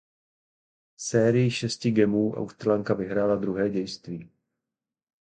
Sérii šesti gamů Australanka vyhrála druhé dějství.